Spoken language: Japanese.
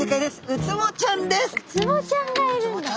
ウツボちゃんがいるんだ。